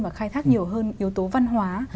và khai thác nhiều hơn yếu tố văn hóa